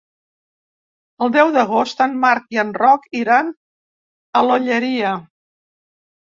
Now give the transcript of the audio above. El deu d'agost en Marc i en Roc iran a l'Olleria.